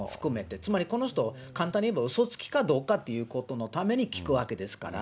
つまり、この人は簡単に言えばうそつきかどうかということのために聞くわけですから。